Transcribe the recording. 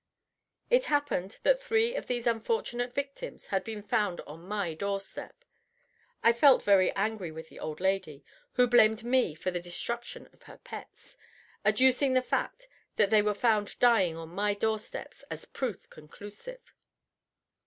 It happened that three of these unfortunate victims had been found on my doorstep. I felt very angry with the old lady, who blamed me for the destruction of her pets, adducing the fact that they were found dying on my doorsteps as proof conclusive.